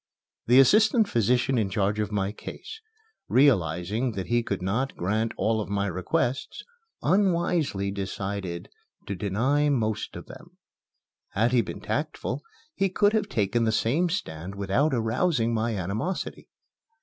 The assistant physician in charge of my case, realizing that he could not grant all of my requests, unwisely decided to deny most of them. Had he been tactful, he could have taken the same stand without arousing my animosity.